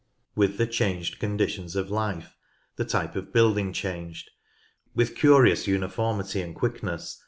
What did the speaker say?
With the changed conditions of life the type of building changed. With curious uniformity and quickness 1)